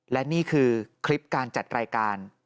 และนี่คือคลิปการจัดรายการ